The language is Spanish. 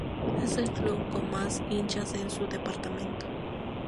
Es el club con más hinchas en su departamento.